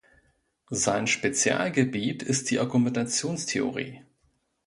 Sein Spezialgebiet ist die Argumentationstheorie.